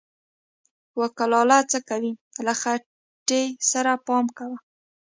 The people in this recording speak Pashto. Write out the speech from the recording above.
و کلاله څه کوې، له خټې سره پام کوه!